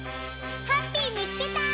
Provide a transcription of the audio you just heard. ハッピーみつけた！